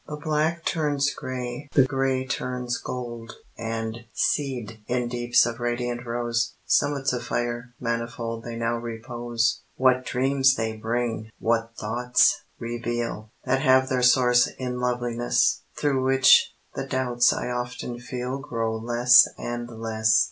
The black turns gray, the gray turns gold; And, seaed in deeps of radiant rose, Summits of fire, manifold They now repose. What dreams they bring! what thoughts reveal! That have their source in loveliness, Through which the doubts I often feel Grow less and less.